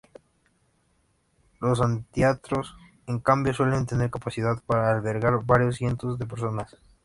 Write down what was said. Los anfiteatros en cambio suelen tener capacidad para albergar varios cientos de personas.